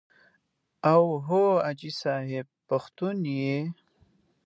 او هو حاجي صاحب پښتون یې.